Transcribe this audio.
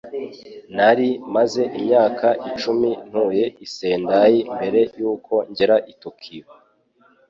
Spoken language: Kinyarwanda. Nari maze imyaka icumi ntuye i Sendai mbere yuko ngera i Tokiyo.